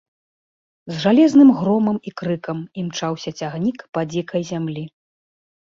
З жалезным громам і крыкам імчаўся цягнік па дзікай зямлі.